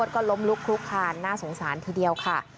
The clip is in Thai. ก็ล้มลุกคลุกคานน่าสงสารทีเดียวค่ะ